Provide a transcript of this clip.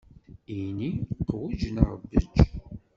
Ini: qwej neɣ bej!